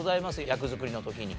役作りの時に。